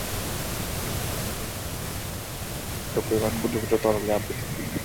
আমরা হ্রদের তলদেশ দেখিতে পাই না, কারণ উহার উপরিভাগ ক্ষুদ্র ক্ষুদ্র তরঙ্গে আবৃত।